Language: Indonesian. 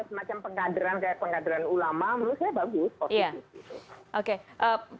semacam pengadaran kayak pengadaran ulama menurut saya bagus